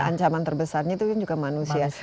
ancaman terbesarnya itu kan juga manusia